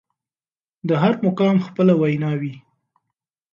د هر مقام خپله وينا وي.